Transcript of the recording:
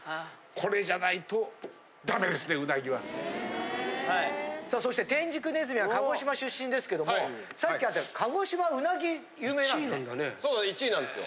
これじゃないとだめですね、うなそして、天竺鼠は鹿児島出身ですけども、さっきあった鹿児島、うなぎ、有そうなんです。